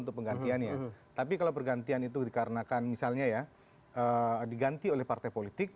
untuk penggantiannya tapi kalau pergantian itu dikarenakan misalnya ya diganti oleh partai politik